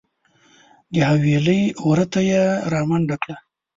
د حویلۍ وره ته یې رامنډه کړه .